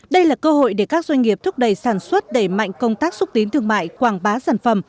đây là cơ hội để các doanh nghiệp thúc đẩy sản xuất đẩy mạnh công tác xúc tiến thương mại quảng bá sản phẩm